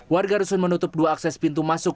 warga rusun menutup dua akses pintu masuk